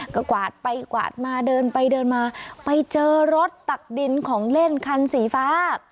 ก็กวาดไปกวาดมาเดินไปเดินมาไปเจอรถตักดินของเล่นคันสีฟ้า